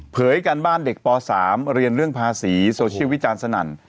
การบ้านเด็กป๓เรียนเรื่องภาษีโซเชียลวิจารณ์สนั่น